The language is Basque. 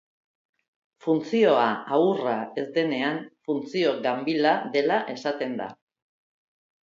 Funtzioa ahurra ez denean, funtzio ganbila dela esaten da.